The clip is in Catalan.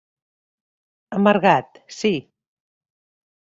Amargat, sí.